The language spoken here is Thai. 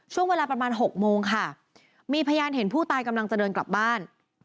ช่วงเวลาประมาณ๖โมงค่ะมีพยานเห็นผู้ตายกำลังจะเดินกลับบ้าน